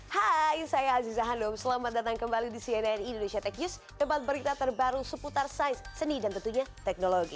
hai saya aziza handom selamat datang kembali di cnn indonesia tech news tempat berita terbaru seputar sains seni dan tentunya teknologi